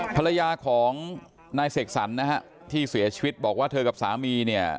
ภรรยาของนายเสกสรรนะฮะที่เสียชีวิตบอกว่าเธอกับสามีเนี่ย